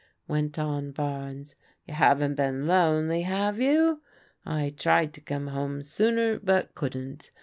went on Barnes. "You haven't been lonely, have you? I tried to come home sooner, but couldn't.